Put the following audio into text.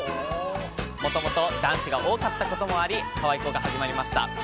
もともと男子が多かったこともあり可愛子が始まりました。